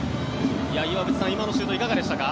岩渕さん、今のシュートいかがでしたか？